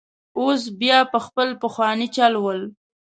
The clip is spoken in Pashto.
اوس بیا په خپل پخواني چل ول.